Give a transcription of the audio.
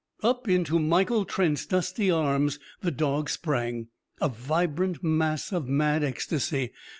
Up into Michael Trent's dusty arms the dog sprang a vibrant mass of mad ecstasy.